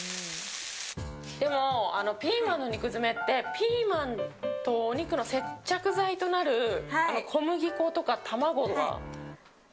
でもピーマンの肉詰めってピーマンとお肉の接着剤となる小麦粉とか卵が。